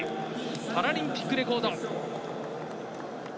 パラリンピックレコード！